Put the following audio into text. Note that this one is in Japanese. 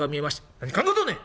「何考えとんねん！